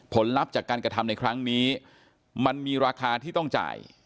ลับจากการกระทำในครั้งนี้มันมีราคาที่ต้องจ่าย